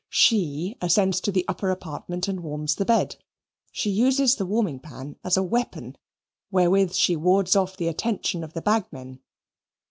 She ascends to the upper apartment and warms the bed. She uses the warming pan as a weapon wherewith she wards off the attention of the bagmen.